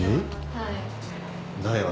はい。